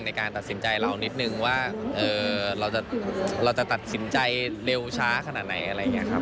ในการตัดสินใจเรานิดหนึ่งว่าเราจะตัดสินใจเร็วช้าขนาดไหน